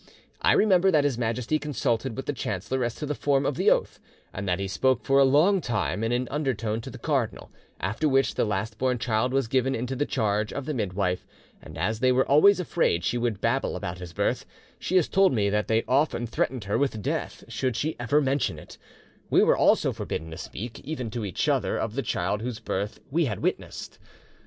I remember that His Majesty consulted with the chancellor as to the form of the oath, and that he spoke for a long time in an undertone to the cardinal: after which the last born child was given into the charge of the midwife, and as they were always afraid she would babble about his birth, she has told me that they often threatened her with death should she ever mention it: we were also forbidden to speak, even to each other, of the child whose birth we had witnessed.